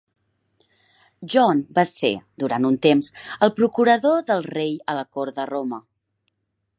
John va ser, durant un temps, el procurador del rei a la Cort de Roma.